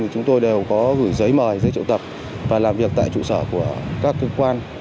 chúng tôi đều có gửi giấy mời giấy triệu tập và làm việc tại trụ sở của các cơ quan